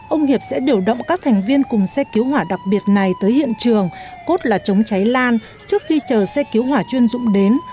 ông hiệp sẽ điều động các thành viên cùng xe cứu hỏa đặc biệt này tới hiện trường cốt là chống cháy lan trước khi chờ xe cứu hỏa chuyên dụng đến